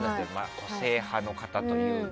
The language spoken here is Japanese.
個性派の方というか。